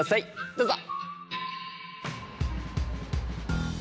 どうぞ。